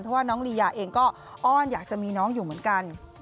เพราะว่าน้องลียาเองก็อ้อนอยากจะมีน้องอยู่เหมือนกัน